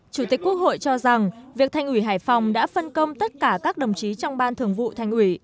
chủ tịch quốc hội cho rằng việc thành ủy hải phòng đã phân công tất cả các đồng chí trong ban thường vụ thành ủy